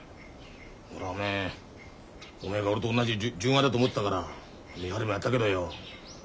俺はおめえおめえが俺と同じ純愛だと思ってたから見張りもやったけどよ。